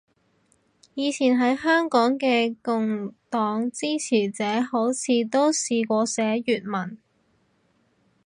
以前喺香港嘅共黨支持者好似都試過寫粵文